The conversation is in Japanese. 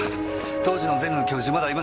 当時のゼミの教授まだいました。